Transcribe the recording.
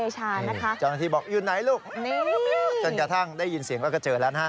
จนกระทั่งได้ยินเสียงก็เจอแล้วนะ